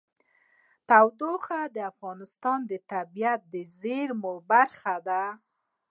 تودوخه د افغانستان د طبیعي زیرمو برخه ده.